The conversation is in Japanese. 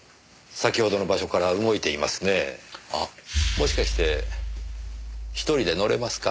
もしかして１人で乗れますか？